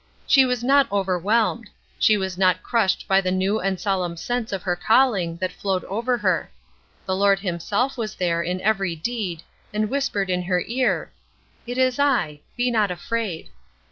She was not overwhelmed; she was not crushed by the new and solemn sense of her calling that flowed over her. The Lord himself was there in every deed, and whispered in her ear, "It is I, be not afraid."